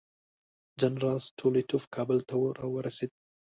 جنرال ستولیتوف کابل ته راورسېد.